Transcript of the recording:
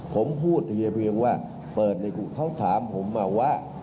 ผมพูดเฉพาะเพียงว่า